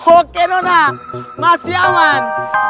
oke nona masih aman